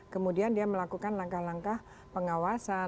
kemudian dia melakukan langkah langkah pengawasan